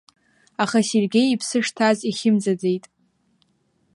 Аха Сергеи иԥсы шҭаз ихьымӡаӡеит.